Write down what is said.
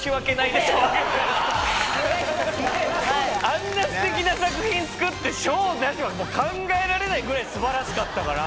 あんなすてきな作品作って賞なしは考えられないぐらい素晴らしかったから。